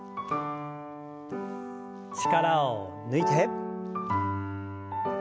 力を抜いて。